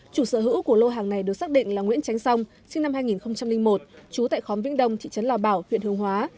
chủ sở hữu của lô hàng này được xác định là nguyễn tránh song sinh năm hai nghìn một trú tại khóm vĩnh đông thị trấn lò bảo huyện hương hóa